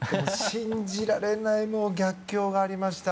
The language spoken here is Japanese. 信じられない逆境がありました。